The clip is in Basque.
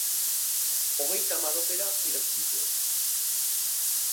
Hogeita hamar opera idatzi zituen.